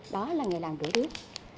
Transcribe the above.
đó là nghề làm rửa đứt